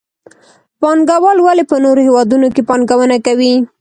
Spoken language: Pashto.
پانګوال ولې په نورو هېوادونو کې پانګونه کوي؟